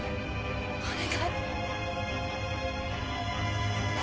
お願い。